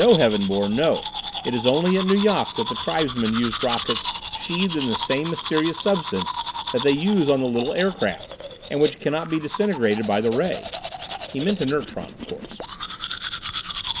"No, Heaven Born, no. It is only at Nu Yok that the tribesmen used rockets sheathed in the same mysterious substance they use on their little aircraft and which cannot be disintegrated by the ray." (He meant inertron, of course.)